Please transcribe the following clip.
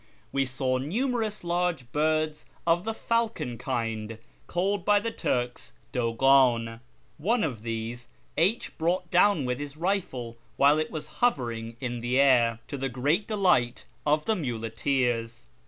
We saw numerous large birds of the falcon kind, called by the Turks cloghAn. One of these H brought down with his rifle while it was hovering in the air, to the great delight of the muleteers.